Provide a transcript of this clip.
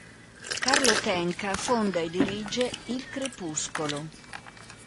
Carlo Tenca fonda e dirige "Il Crepuscolo".